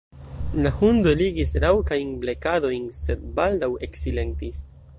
La hundo eligis raŭkajn blekadojn, sed baldaŭ eksilentis.